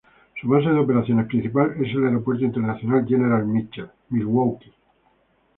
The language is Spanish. Su base de operaciones principal es el Aeropuerto Internacional General Mitchell, Milwaukee.